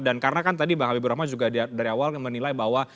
dan karena kan tadi pak habibur rahman juga dari awal menilai bahwa